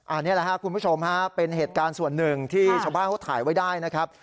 อันนี้แหละครับคุณผู้ชมฮะเป็นเหตุการณ์ส่วนหนึ่งที่ชาวบ้านเขาถ่ายไว้ได้นะครับ